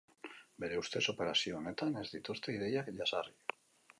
Bere ustez, operazio honetan ez dituzte ideiak jazarri.